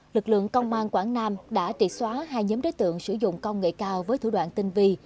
lực lượng công an quảng nam đã triệt xóa hai nhóm đối tượng sử dụng công nghệ cao với thủ đoạn tinh vi